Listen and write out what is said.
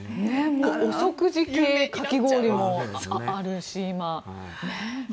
お食事系かき氷もあるし、今。